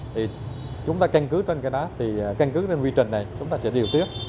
thì chúng ta can cứ trên cái đó can cứ trên quy trình này chúng ta sẽ điều tiết